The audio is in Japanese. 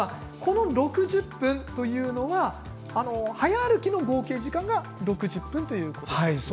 ６０分というのは早歩きの合計時間が６０分ということですね。